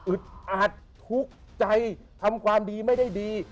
อาจทุกข์ใจทำความดีไม่ได้ดี